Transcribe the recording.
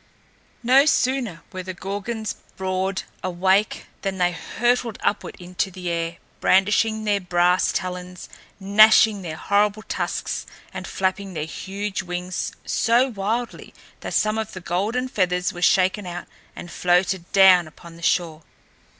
No sooner were the Gorgons broad awake than they hurtled upward into the air, brandishing their brass talons, gnashing their horrible tusks and flapping their huge wings so wildly that some of the golden feathers were shaken out and floated down upon the shore.